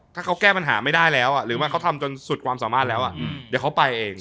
ถ้าเขาแก้ปัญหาไม่ได้แล้วหรือว่าเขาทำจนสุดความสามารถแล้วเดี๋ยวเขาไปเอง